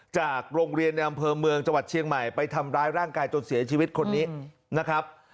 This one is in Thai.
จากโรงเรียนในอำเภอเมืองจังหวัดเชียงใหม่ไปทำร้ายร่างกายจนเสียชีวิตคนนี้นะครับ